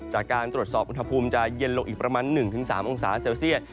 จากการตรวจสอบอุณหภูมิจะเย็นลงอีกประมาณ๑๓องศาเซลเซียต